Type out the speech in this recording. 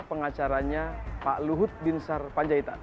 pengacaranya pak luhut bin sar panjaitan